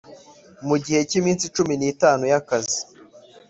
Mu gihe cy iminsi cumi n itanu y akazi